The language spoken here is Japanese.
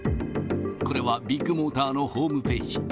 これはビッグモーターのホームページ。